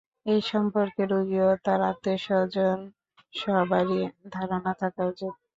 এ সম্পর্কে রোগী ও তার আত্মীয়স্বজন সবারই ধারণা থাকা উচিত।